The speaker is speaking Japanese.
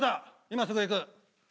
今すぐ行く。